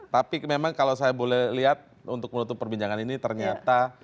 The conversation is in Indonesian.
tapi memang kalau saya boleh lihat untuk menutup perbincangan ini ternyata